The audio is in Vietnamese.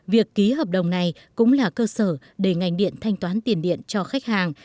việc ký hợp đồng này cũng là cơ sở để ngành điện thanh toán tiền điện cho khách hàng